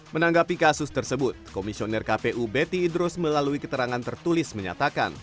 menanggapi kasus tersebut komisioner kpu betty idrus melalui keterangan tertulis menyatakan